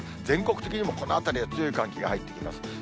全国的にも、このあたりは強い寒気が入ってきます。